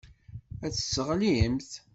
Ad t-tesseɣlimt.